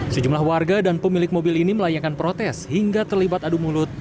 sejumlah warga dan pemilik mobil ini melayangkan protes hingga terlibat adu mulut